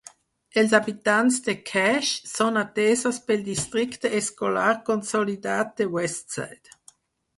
Els habitants de Cash són atesos pel districte escolar consolidat de Westside.